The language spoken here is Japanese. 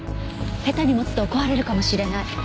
下手に持つと壊れるかもしれない。